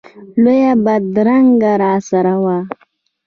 لویه بدرګه راسره وه.